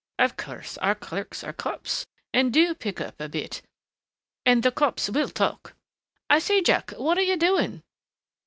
Of course our clerks are Copts and do pick up a bit and the Copts will talk.... I say, Jack, what are you doing?"